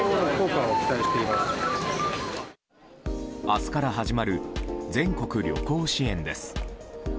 明日から始まる全国旅行支援です。